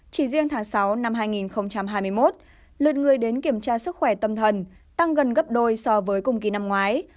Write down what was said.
chỉ riêng tháng sáu năm hai nghìn hai mươi một lượt người đến kiểm tra sức khỏe tâm thần tăng gần gấp đôi so với cùng kỳ năm ngoái